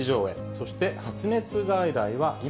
そして発熱外来は今。